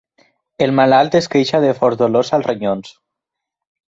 El malalt es queixa de forts dolors als ronyons.